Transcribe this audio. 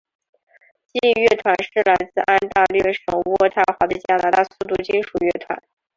激励乐团是来自安大略省渥太华的加拿大速度金属乐团。